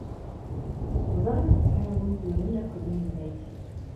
Ẓriɣ tesɛiḍ uguren akked yemma-k.